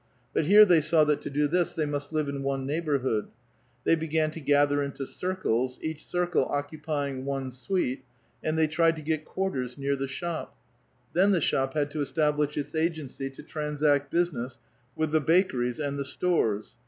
But here they saw t^liat to do this they must live in one neighborhood ; they be an to gather into circles, each circle occupying one suite, nd they tried to get quarters near the shop ; then the shop b.ad to establish its agenc}' to transact business with tiie V^akeries and the stores.